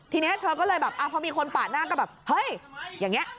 ทีนี้เธอก็เลยแบบพอมีคนปาดหน้าก็แบบเฮ้ยอย่างนี้